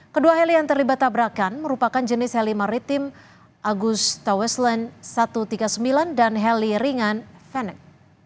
kedua heli yang terlibat tabrakan merupakan jenis heli maritim agus toweslen satu ratus tiga puluh sembilan dan heli ringan fenex